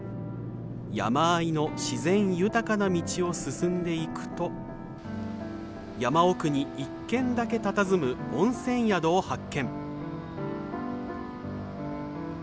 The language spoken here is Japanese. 山あいの自然豊かな道を進んでいくと山奥に一軒だけたたずむ温泉宿を発見。